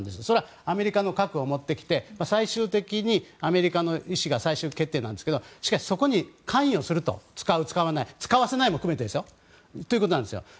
それはアメリカの核を持ってきて最終的にアメリカの意思が最終決定なんですがしかし、そこに関与すると使う、使わない使わせないも含めてですよそういうことなんですよ。